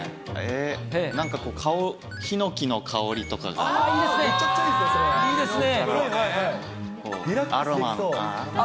なんか、ヒノキの香りいいですね。